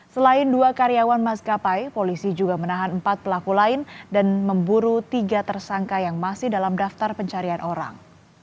selain dua karyawan maskapai polisi juga menahan empat pelaku lain dan memburu tiga tersangka yang masih dalam daftar pencarian orang